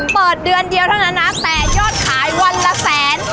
เปิดเดือนเดียวเท่านั้นนะแต่ยอดขายวันละแสน